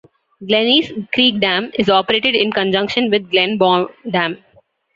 Glennies Creek Dam is operated in conjunction with Glenbawn Dam.